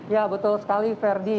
ya betul sekali ferdi